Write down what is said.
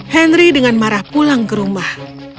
henry dengan marah pulang ke rumah